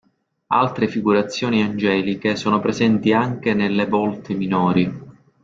Altre figurazioni angeliche sono presenti anche nelle volte minori.